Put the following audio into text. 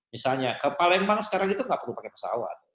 misalnya ke palembang sekarang itu nggak perlu pakai pesawat